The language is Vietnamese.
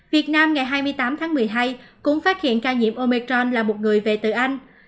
việt nam ngày hai mươi tám tháng một mươi hai cũng phát hiện ca nhiễm omecron là một người về từ anh